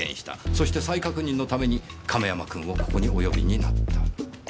そして再確認のために亀山君をここにお呼びになった。